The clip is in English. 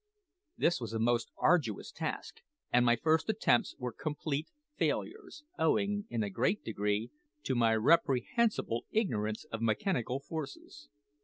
This was a most arduous task, and my first attempts were complete failures, owing, in a great degree, to my reprehensible ignorance of mechanical forces.